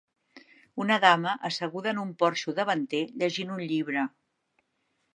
Una dama asseguda en un porxo davanter llegint un llibre.